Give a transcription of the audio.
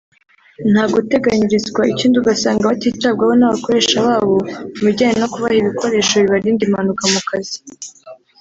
nta guteganyirizwa ikindi ugasanga batitabwaho n’abakoresha babo mu bijyanye no kubaha ibikoresho bibarinda impanuka mu kazi